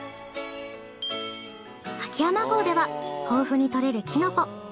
秋山郷では豊富に採れるきのこ。